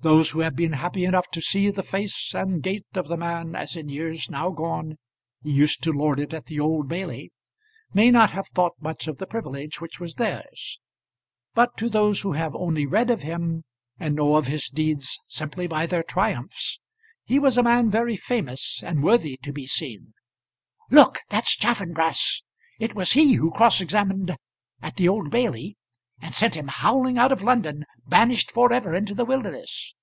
Those who have been happy enough to see the face and gait of the man as, in years now gone, he used to lord it at the Old Bailey, may not have thought much of the privilege which was theirs. But to those who have only read of him, and know of his deeds simply by their triumphs, he was a man very famous and worthy to be seen. "Look; that's Chaffanbrass. It was he who cross examined at the Old Bailey, and sent him howling out of London, banished for ever into the wilderness."